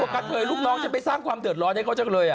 กะเทยลูกน้องจะไปสร้างความเดือดร้อนให้เขาจังเลย